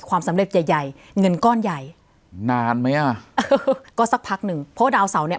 ความสำเร็จใหญ่ใหญ่เงินก้อนใหญ่นานไหมอ่ะเออก็สักพักหนึ่งเพราะว่าดาวเสาเนี้ย